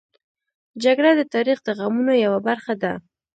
جګړه د تاریخ د غمونو یوه برخه ده